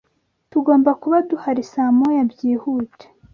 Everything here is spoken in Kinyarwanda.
Tugomba kuba duhari saa moya, byihute